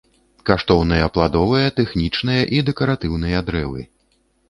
Каштоўныя пладовыя, тэхнічныя і дэкаратыўныя дрэвы.